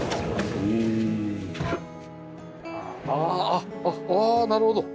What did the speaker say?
あっああなるほど。